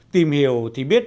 tìm hiểu thì biết